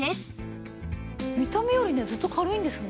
見た目よりねずっと軽いんですね。